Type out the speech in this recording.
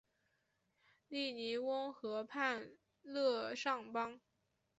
利尼翁河畔勒尚邦。